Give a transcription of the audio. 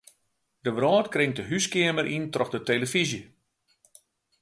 De wrâld kringt de húskeamer yn troch de telefyzje.